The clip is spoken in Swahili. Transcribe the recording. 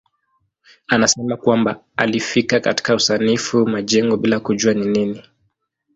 Anasema kwamba alifika katika usanifu majengo bila kujua ni nini.